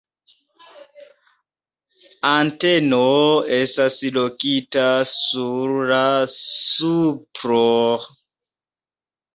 Anteno estas lokita sur la supro.